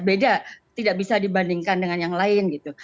beda tidak bisa dibandingkan dengan yang lain gitu